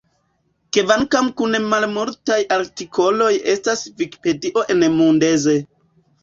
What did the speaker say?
Kvankam kun malmultaj artikoloj estas Vikipedio en Mundeze.